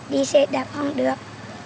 đi xe đập không được